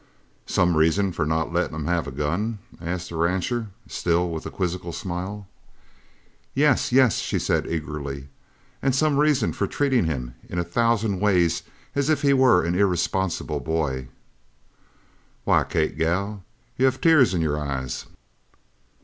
"Some reason for not letting him have a gun?" asked the rancher, still with the quizzical smile. "Yes, yes!" she said eagerly, "and some reason for treating him in a thousand ways as if he were an irresponsible boy." "Why, Kate, gal, you have tears in your eyes!"